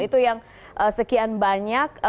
itu yang sekian banyak